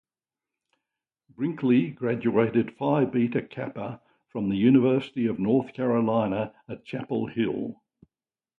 Brinkley graduated Phi Beta Kappa from the University of North Carolina at Chapel Hill.